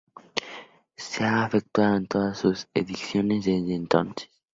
Se ha efectuado en todas sus ediciones desde entonces.